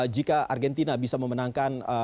jika argentina bisa memenangkan